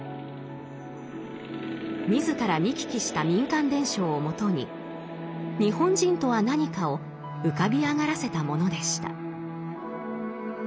自ら見聞きした民間伝承をもとに日本人とは何かを浮かび上がらせたものでした。